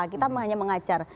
kita hanya mengajar